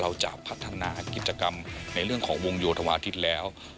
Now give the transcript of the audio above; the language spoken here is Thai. เราจะพัฒนากิจกรรมในเรื่องของวงโยธวาทิศแล้ว